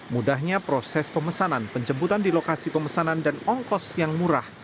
mudahnya proses pemesanan penjemputan di lokasi pemesanan dan ongkos yang murah